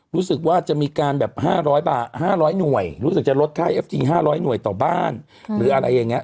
รู้สึกว่าจะมีการแบบห้าร้อยบาทห้าร้อยหน่วยรู้สึกจะลดค่าเอฟทีห้าร้อยหน่วยต่อบ้านอืมหรืออะไรอย่างเงี้ย